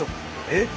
えっ？